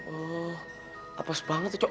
oh apas banget itu cowok